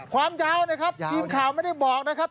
ความยาวนะครับทีมข่าวไม่ได้บอกนะครับ